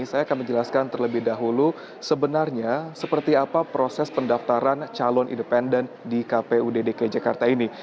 saya akan menjelaskan terlebih dahulu sebenarnya seperti apa proses pendaftaran calon independen di kpu dki jakarta ini